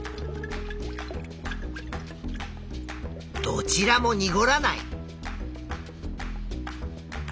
どちらもにごらない。